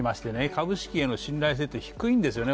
株式への信頼性って低いんですよね